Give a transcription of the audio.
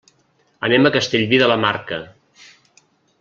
Anem a Castellví de la Marca.